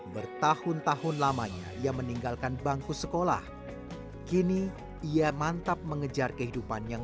bertahun tahun lamanya ia meninggalkan bangku sekolah kini ia mantap mengejar kehidupan yang